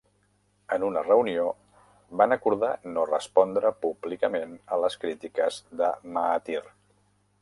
En una reunió, van acordar no respondre públicament a les crítiques de Mahathir.